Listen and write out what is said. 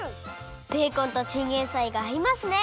ベーコンとチンゲンサイがあいますね！